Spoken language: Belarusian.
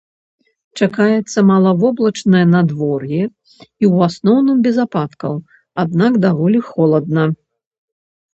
Чакаецца малавоблачнае надвор'е і ў асноўным без ападкаў, аднак даволі холадна.